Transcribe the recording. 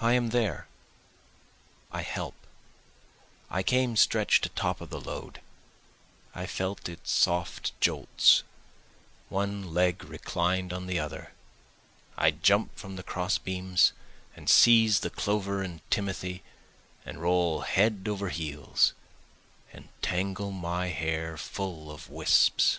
I am there, I help, I came stretch'd atop of the load, I felt its soft jolts, one leg reclined on the other, I jump from the cross beams and seize the clover and timothy, And roll head over heels and tangle my hair full of wisps.